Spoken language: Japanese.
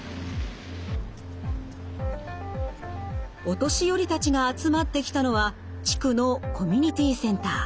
お年寄りたちが集まってきたのは地区のコミュニティーセンター。